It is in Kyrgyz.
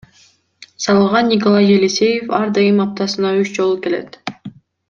Залга Николай Елисеев ар дайым аптасына үч жолу келет.